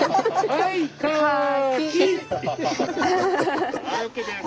はいＯＫです。